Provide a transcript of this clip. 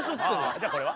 じゃあこれは？